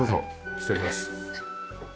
失礼します。